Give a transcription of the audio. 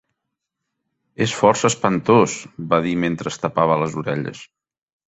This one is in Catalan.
"És força espantós", va dir mentre es tapava les orelles.